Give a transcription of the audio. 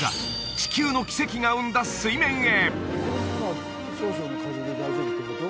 地球の奇跡が生んだ水面へ！